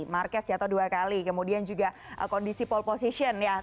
marques jatuh dua kali kemudian juga kondisi pole position ya